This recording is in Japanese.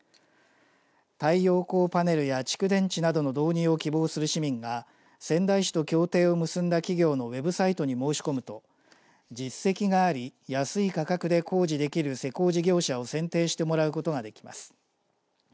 太陽光パネルや蓄電池などの導入を希望する市民が仙台市と協定を結んだ企業のウェブサイトに申し込むと実績があり安い価格で工事できる施工事業者を選定してもらうことができます。